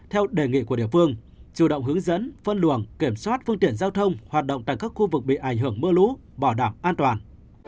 theo đề nghị của địa phương chủ động hướng dẫn phân luồng kiểm soát phương tiện giao thông hoạt động tại các khu vực bị ảnh hưởng mưa lũ bảo đảm an toàn